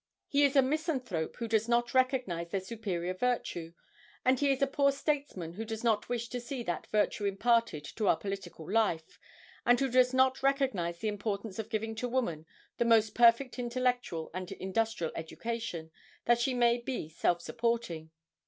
He is a misanthrope who does not recognize their superior virtue, and he is a poor statesman who does not wish to see that virtue imparted to our political life, and who does not recognize the importance of giving to woman the most perfect intellectual and industrial education, that she may be self supporting.